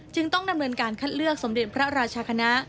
ต้องดำเนินการคัดเลือกสมเด็จพระราชคณะ